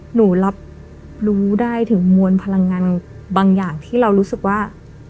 หนูรับรู้ได้ถึงมวลพลังงานบางอย่างที่เรารู้สึกว่า